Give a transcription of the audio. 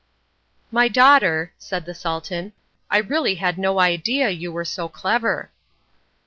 "My daughter," said the Sultan, "I really had no idea you were so clever."